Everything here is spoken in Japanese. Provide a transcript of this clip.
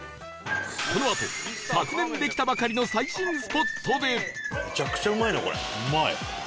このあと昨年できたばかりの最新スポットで